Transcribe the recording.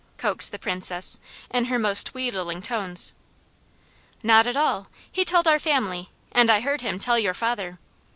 coaxed the Princess in her most wheedling tones. "Not at all! He told our family, and I heard him tell your father.